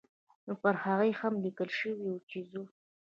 نو پر هغې هم لیکل شوي وو چې ځو.